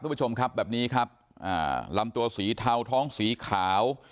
คุณผู้ชมครับแบบนี้ครับอ่าลำตัวสีเทาท้องสีขาว